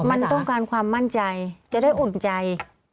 มันต้องการความมั่นใจจะได้อุ่นใจ